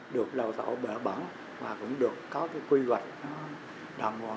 được đào tạo bở bẩn và cũng được có cái quy hoạch đoàn bộ